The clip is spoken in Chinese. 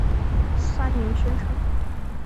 三年学成。